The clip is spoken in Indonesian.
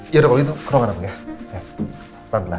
ya udah kalau gitu ke ruangan aku ya pelan pelan